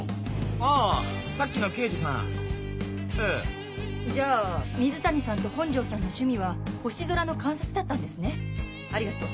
あぁさっきの刑事さんええ。じゃあ水谷さんと本上さんの趣味は星空の観察だったんですねありがとう。